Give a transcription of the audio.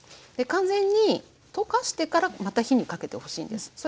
完全に溶かしてからまた火にかけてほしいんです。